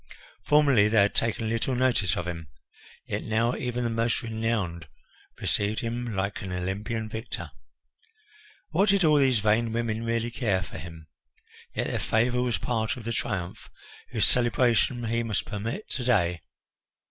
Formerly they had taken little notice of him, yet now even the most renowned received him like an Olympian victor. What did all these vain women really care for him? Yet their favour was part of the triumph whose celebration he must permit to day.